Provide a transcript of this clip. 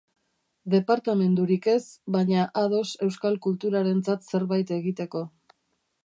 Departamendurik ez, baina ados euskal kulturarentzat zerbait egiteko.